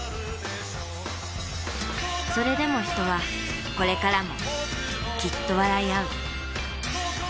それでも人はこれからもきっと笑いあう。